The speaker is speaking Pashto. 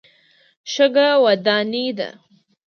شګه وداني ده.